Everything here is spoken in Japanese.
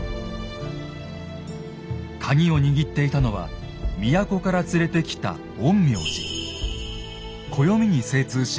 カギを握っていたのは都から連れてきた陰陽師。